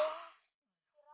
mereka tidak sadar